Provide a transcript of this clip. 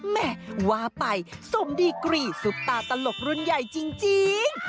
แหมว่าไปสมดีกรีซุปตาตลกรุ่นใหญ่จริง